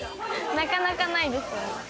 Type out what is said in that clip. なかなかないです。